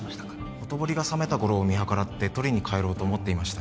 ほとぼりが冷めた頃を見計らって取りに帰ろうと思っていました